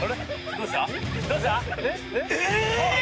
どうした？